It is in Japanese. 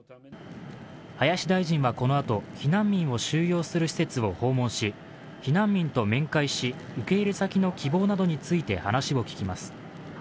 林大臣はこのあと、避難民を収容する施設を訪問し、避難民と面会し、受け入れ先の希望などについて話を聞きます。